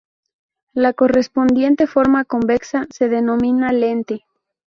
La correspondiente forma convexa se denomina lente.